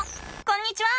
こんにちは！